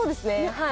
はい。